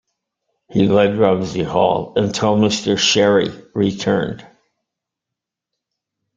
He led Rumsey Hall until Mr. Sherry returned.